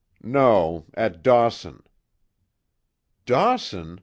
"No at Dawson." "Dawson!"